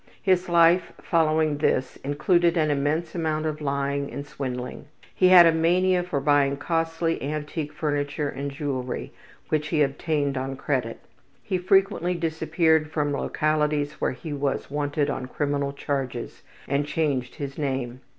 His life following this included an immense amount of lying and swindling. He had a mania for buying costly antique furniture and jewelry which he obtained on credit. He frequently disappeared from localities where he was wanted on criminal charges, and changed his name.